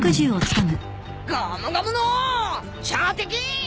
ゴムゴムの射的！